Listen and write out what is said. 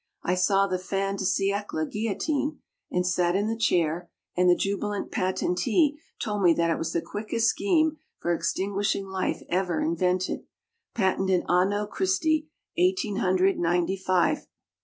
I saw the "fin de siecle" guillotine and sat in the chair, and the jubilant patentee told me that it was the quickest scheme for extinguishing life ever invented patented Anno Christi Eighteen Hundred Ninety five.